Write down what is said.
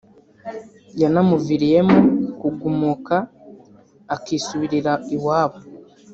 yanamuviriyemo kugumuka akisubirira iwabo